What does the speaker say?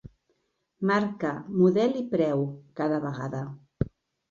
Marca, model i preu, cada vegada.